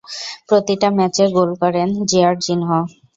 প্রতিটা ম্যাচে গোল করেন জেয়ারজিনহো।